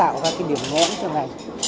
nó tạo ra cái điểm ngõm cho ngành